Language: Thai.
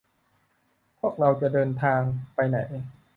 พวกเราจะเดินทางไปไหน